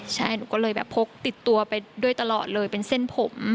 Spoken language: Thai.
ใช่หนูก็เลยแบบพกติดตัวไปด้วยตลอดเลยเป็นเส้นผม